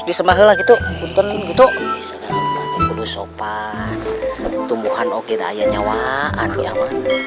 disembahelah gitu untuk gitu untuk kudus sopan tumbuhan oke dayanya wa'an ya wan